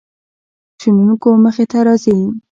شنونکو مخې ته راځي.